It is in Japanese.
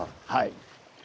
はい。